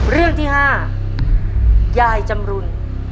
เรื่องที่๕ยายจำรุน